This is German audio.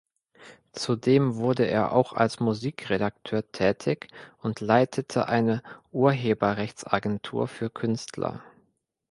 Zudem wurde er auch als Musikredakteur tätig und leitete eine Urheberrechtsagentur für Künstler.